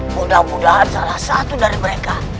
mudah mudahan salah satu dari mereka